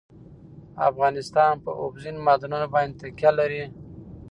افغانستان په اوبزین معدنونه باندې تکیه لري.